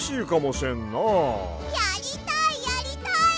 やりたいやりたい！